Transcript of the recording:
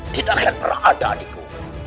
tidak akan pernah ada adikku